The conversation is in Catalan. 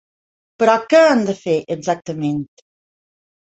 Però què han de fer, exactament?